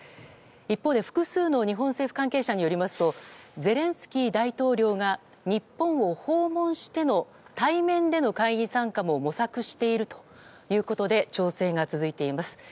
一方で、複数の日本政府関係者によりますとゼレンスキー大統領が日本を訪問しての対面での会議参加も模索しているということで調整が続いています。